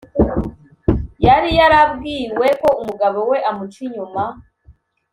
yari yarabwiwe ko umugabo we amuca inyuma